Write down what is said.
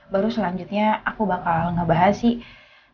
baru selanjutnya aku bakal ngebahas sih